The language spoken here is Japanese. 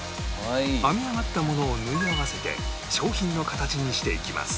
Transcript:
編み上がったものを縫い合わせて商品の形にしていきます